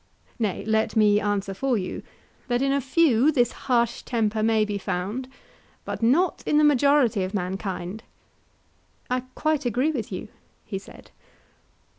Nay, let me answer for you, that in a few this harsh temper may be found but not in the majority of mankind. I quite agree with you, he said.